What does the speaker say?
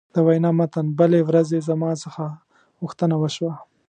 د وینا متن: بلې ورځې زما څخه غوښتنه وشوه.